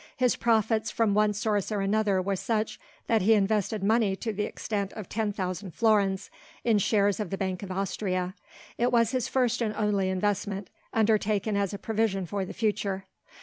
His profits from one source or another were such that he invested money to the extent of ten thousand florins, in shares of the Bank of Austria. It was his first and only investment, undertaken as a provision for the future.